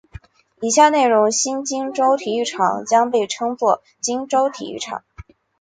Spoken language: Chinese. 以下内容中新金州体育场将被称作金州体育场。